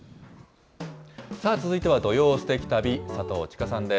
さあ、続いては土曜すてき旅、佐藤千佳さんです。